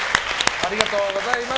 ありがとうございます。